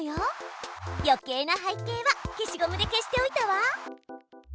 よけいな背景は消しゴムで消しておいたわ。